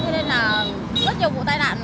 nên là rất nhiều vụ tai đạn